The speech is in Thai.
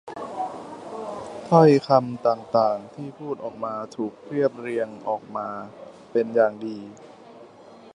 ถ้อยคำต่าง ๆ ที่พูดออกมาถูกเรียบเรียงออกมาเป็นอย่างดี